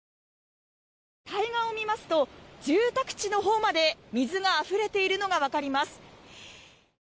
対岸を見ますと住宅地のほうまで水があふれているのが分かります。